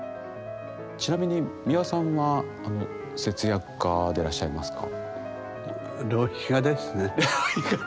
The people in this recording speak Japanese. ちなみに美輪さんは節約家でいらっしゃいますか？